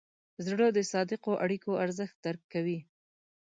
زړه د صادقو اړیکو ارزښت درک کوي.